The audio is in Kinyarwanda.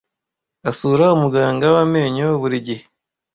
Asura umuganga w’amenyo buri gihe,